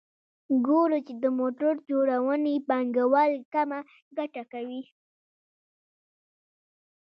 ګورو چې د موټر جوړونې پانګوال کمه ګټه کوي